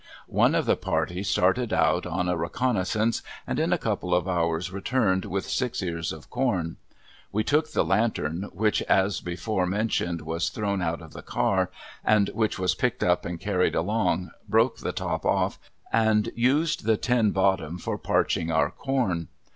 One of the party started out on a reconnaisance and in a couple of hours returned with six ears of corn. We took the lantern which, as before mentioned, was thrown out of the car, and which was picked up and carried along, broke the top off, and used the tin bottom for parching our corn.